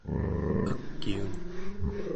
akiun